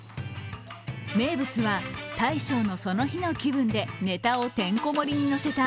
名物は大将のその日の気分でネタをてんこ盛りにのせた、